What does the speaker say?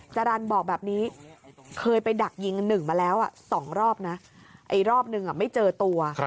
จรรย์บอกแบบนี้เคยไปดักยิง๑มาแล้ว๒รอบนะไอ้รอบนึงไม่เจอตัว